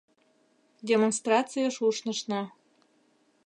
Демонстрацийыш ушнышна.